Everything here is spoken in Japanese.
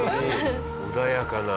穏やかな。